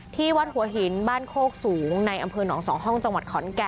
ที่วัดหัวหินบ้านโคกสูงในอำเภอหนอง๒ห้องจังหวัดขอนแก่น